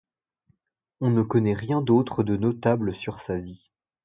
On ne connaît rien d'autre de notable sur sa vie.